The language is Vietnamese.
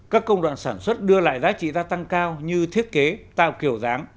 các công đoạn sản xuất đưa lại giá trị gia tăng cao như thiết kế tạo kiểu dáng